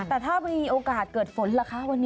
ถ้าถ้ามีโอกาสเกิดฝนละค่ะ